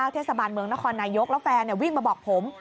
เทศบาลเมืองนครนายกแล้วแฟนวิ่งมาบอกผม